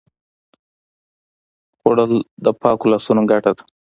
خوړل د پاکو لاسونو ګټه ده